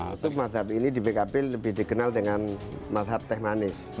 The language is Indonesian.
untuk madhab ini di pkp lebih dikenal dengan madhab teh manis